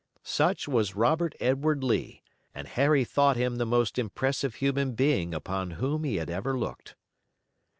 Such was Robert Edward Lee, and Harry thought him the most impressive human being upon whom he had ever looked.